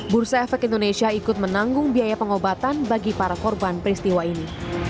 bursa efek indonesia ikut menanggung biaya pengobatan bagi para korban peristiwa ini